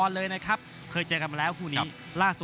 ลุงภูติลักษณ์๑๒๑